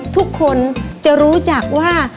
ทุกคนจะรู้จักว่า